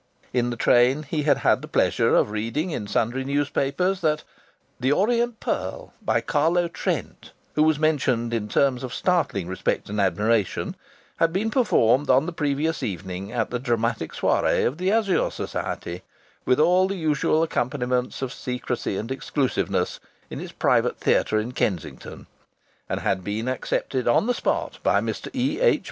In the train he had had the pleasure of reading in sundry newspapers that "The Orient Pearl," by Carlo Trent (who was mentioned in terms of startling respect and admiration), had been performed on the previous evening at the dramatic soirée of the Azure Society, with all the usual accompaniments of secrecy and exclusiveness, in its private theatre in Kensington, and had been accepted on the spot by Mr. E.H.